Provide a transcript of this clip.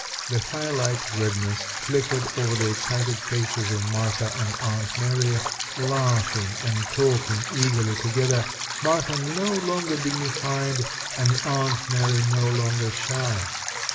The firelight redness flickered over the excited faces of Martha and Aunt Mary laughing and talking eagerly together, Martha no longer dignified and Aunt Mary no longer shy.